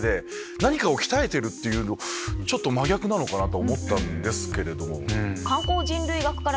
何かを鍛えてるっていうの真逆なのかなと思ったんですけど。